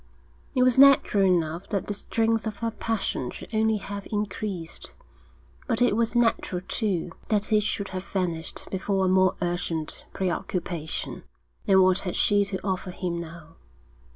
It was natural enough that the strength of her passion should only have increased, but it was natural too that his should have vanished before a more urgent preoccupation. And what had she to offer him now?